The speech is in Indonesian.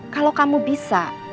kalau kamu bisa